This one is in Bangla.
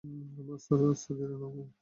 আস্তে ধীরে নামাও!